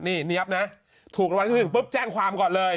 นี่เนี๊ยบนะถูกรางวัลที่๑ปุ๊บแจ้งความก่อนเลย